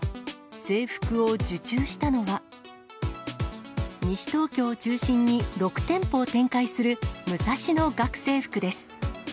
制服を受注したのは、西東京を中心に６店舗を展開するムサシノ学生服です。